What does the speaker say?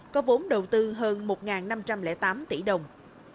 có vốn đầu tư hơn một năm trăm linh tám tỷ đồng